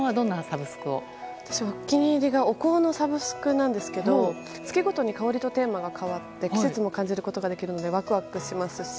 私、お気に入りがお香のサブスクなんですけど月ごとに香りとテーマが変わるので季節も感じることができるしワクワクするんです。